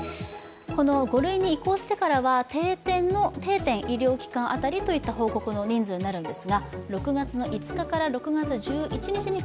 ５類に移行してからは定点の医療機関当たりの報告の人数になります。